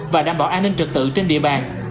và đảm bảo an ninh trực tự trên địa bàn